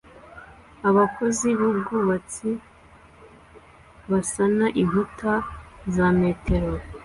Abakozi b'ubwubatsi basana inkuta za metero